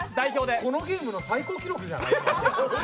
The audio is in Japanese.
これ、このゲームの最高記録じゃない？